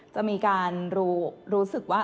จะมีการรู้สึกว่า